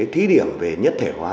thí điểm về nhất thể hóa